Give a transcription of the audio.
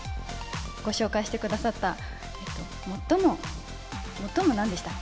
ご紹介してくださった最も、最もなんでしたっけ？